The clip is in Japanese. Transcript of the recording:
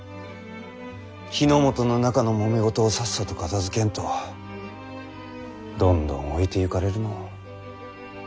日ノ本の中のもめ事をさっさと片づけんとどんどん置いていかれるのう。